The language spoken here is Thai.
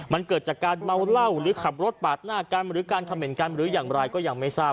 มันเกิดจากการเมาเหล้าหรือขับรถปาดหน้ากันหรือการคำเห็นกันหรืออย่างไรก็ยังไม่ทราบ